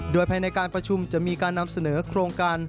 โดยภายในการประชุมจะมีการนำเสนอโครงการ